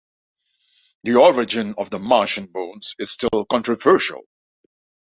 The origin of the Martian moons is still controversial.